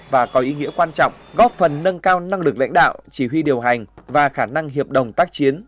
và có ý nghĩa quan trọng góp phần nâng cao năng lực lãnh đạo chỉ huy điều hành và khả năng hiệp đồng tác chiến